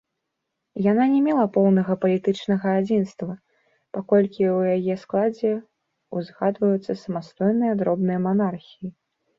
Яна не мела поўнага палітычнага адзінства, паколькі ў яе складзе ўзгадваюцца самастойныя дробныя манархіі.